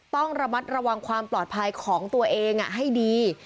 ต้องระมัดระวังความปลอดภัยของตัวเองให้ดี